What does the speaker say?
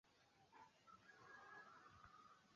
kwa upande wa Serikali za Mitaa